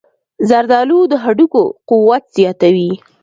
زردآلو د هډوکو قوت زیاتوي.